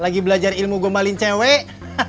lagi belajar ilmu gombalin cewek